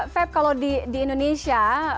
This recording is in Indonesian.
feb kalau di indonesia